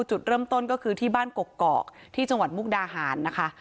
จุดเริ่มต้นก็คือที่บ้านกกอกที่จังหวัดมุกดาหารนะคะ